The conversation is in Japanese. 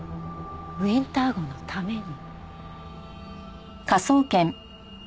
ウィンター号のために。